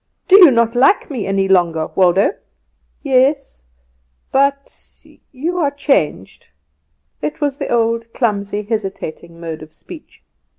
Do you not like me any longer, Waldo?" "Yes but you are changed." It was the old clumsy, hesitating mode of speech.